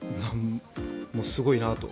もうすごいなと。